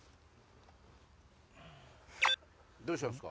どうしたんすか？